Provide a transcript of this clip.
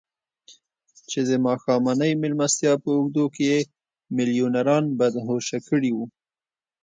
چې د ماښامنۍ مېلمستیا په اوږدو کې يې ميليونران مدهوشه کړي وو.